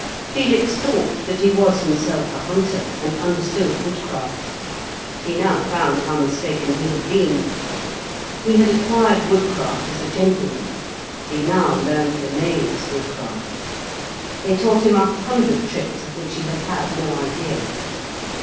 Felix thought that he was himself a hunter, and understood woodcraft; he now found how mistaken he had been. He had acquired woodcraft as a gentleman; he now learned the knave's woodcraft. They taught him a hundred tricks of which he had had no idea.